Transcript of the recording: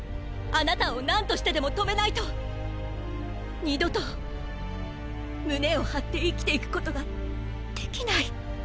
あなたを何としてでも止めないと二度と胸を張って生きていくことができない！！